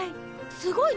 すごいの？